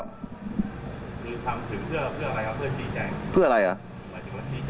คือทำถึงเพื่ออะไรครับเพื่อชี้แจง